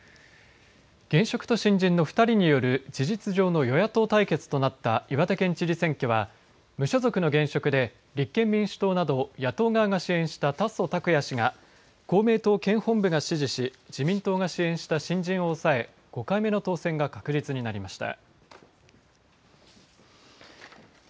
現職の新人の２人による事実上の与野党対決となった岩手県知事選挙は無所属の現職で立憲民主党など野党側が支援した達増拓也氏が公明党県本部が支持し自民党が支援した新人を抑え５回目の当選が確実になりました。